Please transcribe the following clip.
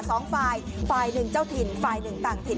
สองฝ่ายฝ่ายหนึ่งเจ้าถิ่นฝ่ายหนึ่งต่างถิ่น